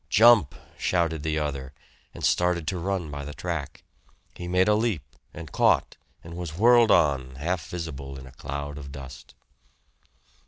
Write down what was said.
"Jump!" shouted the other, and started to run by the track. He made a leap, and caught, and was whirled on, half visible in a cloud of dust.